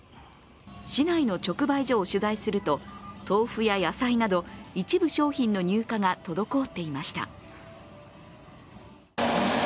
市内の直売所を取材すると、豆腐や野菜など、一部商品の入荷が滞っていました。